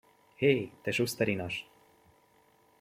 Hé, te suszterinas!